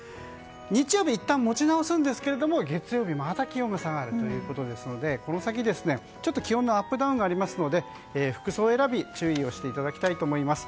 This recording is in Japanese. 日曜日、いったん持ち直しますが月曜日また気温が下がるということですのでこの先、気温のアップダウンがありますので服装選び、注意をしていただきたいと思います。